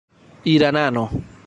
iranano